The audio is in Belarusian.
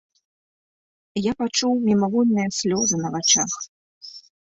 Я пачуў мімавольныя слёзы на вачах.